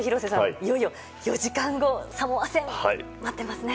いよいよ４時間後サモア戦、待ってますね。